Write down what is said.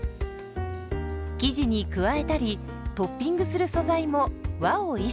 生地に加えたりトッピングする素材も和を意識。